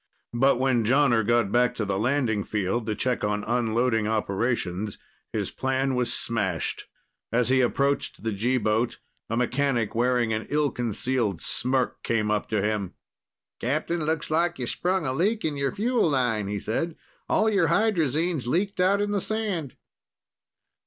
But when Jonner got back to the landing field to check on unloading operations, his plan was smashed. As he approached the G boat, a mechanic wearing an ill concealed smirk came up to him. "Captain, looks like you sprung a leak in your fuel line," he said. "All your hydrazine's leaked out in the sand."